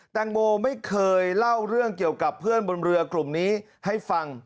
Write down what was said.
แตงโมไม่เคยเล่าเรื่องเกี่ยวกับเพื่อนบนเรือกลุ่มนี้ให้ฟัง